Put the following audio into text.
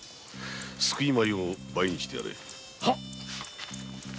救い米を倍にしてやれ。